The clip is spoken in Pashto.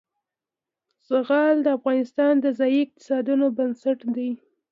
زغال د افغانستان د ځایي اقتصادونو بنسټ دی.